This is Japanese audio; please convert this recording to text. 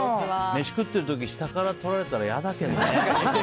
飯食ってる時に下から撮られたら嫌だけどね。